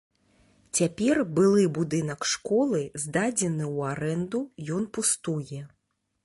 Цяпер былы будынак школы здадзены ў арэнду, ён пустуе.